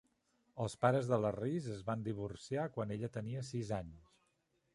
Els pares de la Rees es van divorciar quan ella tenia sis anys.